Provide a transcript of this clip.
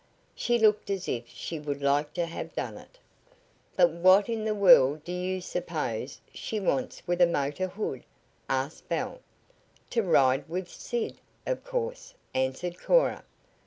"She looked as if she would like to have done it." "But what in the world do you suppose she wants with a motor hood?" asked Belle. "To ride with Sid, of course," answered Cora.